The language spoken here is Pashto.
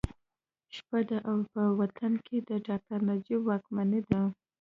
شپه ده او په وطن کې د ډاکټر نجیب واکمني ده